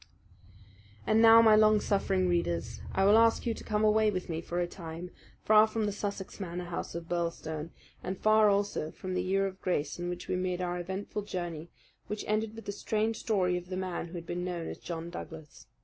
And now, my long suffering readers, I will ask you to come away with me for a time, far from the Sussex Manor House of Birlstone, and far also from the year of grace in which we made our eventful journey which ended with the strange story of the man who had been known as John Douglas.